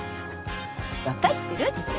分かってるって。